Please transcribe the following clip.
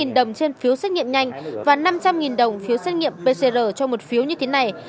một đồng trên phiếu xét nghiệm nhanh và năm trăm linh đồng phiếu xét nghiệm pcr cho một phiếu như thế này